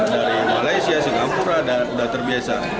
dari malaysia singapura sudah terbiasa